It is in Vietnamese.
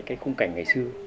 cái khung cảnh ngày xưa